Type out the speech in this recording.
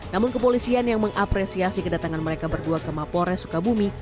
namun kepolisian yang mengapresiasi kedatangan mereka berdua ke mapores sukabumi